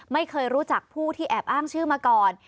ไม่เคยรู้จักผู้ที่แอบอ้างชื่อมาก่อน